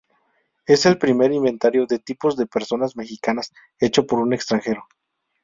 Es el primer inventario de tipos de personas mexicanas hecho por un extranjero.